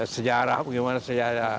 sejarah bagaimana sejarah